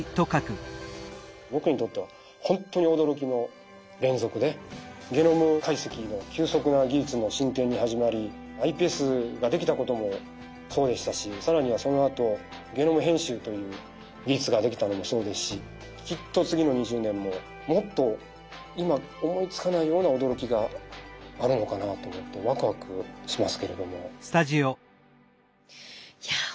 僕にとってはほんとに驚きの連続でゲノム解析の急速な技術の進展に始まりｉＰＳができたこともそうでしたし更にはそのあとゲノム編集という技術ができたのもそうですしきっと次の２０年ももっと今思いつかないような驚きがあるのかなと思ってワクワクしますけれども。